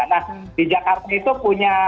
nah di jakarta itu punya